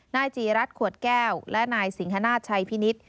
นายจีรัฐขวดแก้วและนายสิงฮนาชชัยพินิษฐ์